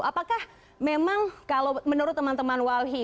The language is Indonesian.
apakah memang kalau menurut teman teman walhi